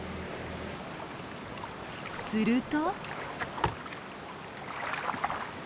すると。